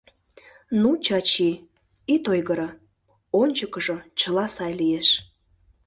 — Ну, Чачи, ит ойгыро, ончыкыжо чыла сай лиеш!